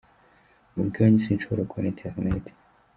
Mu rugo iwanjye sinshobora kubona internet….